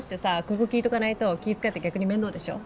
ここ聞いとかないと気使い合って逆に面倒でしょ？